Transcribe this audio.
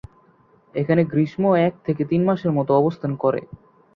এখানে গ্রীষ্ম এক থেকে তিন মাসের মত অবস্থান করে।